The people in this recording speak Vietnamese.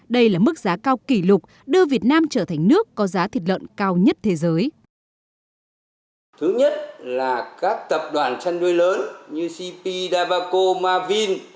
đây là mức giá cao kỷ lục đưa việt nam trở thành nước có giá thịt lợn cao nhất thế giới